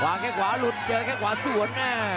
แค่ขวาหลุดเจอแค่ขวาสวน